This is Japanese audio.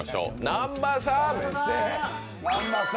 南波さん！